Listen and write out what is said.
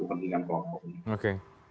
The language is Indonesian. bukan untuk kepentingan golongan